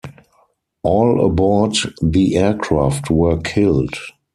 All aboard the aircraft were killed.